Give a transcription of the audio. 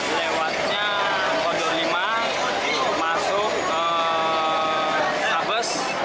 lewatnya koridor lima masuk ke sabes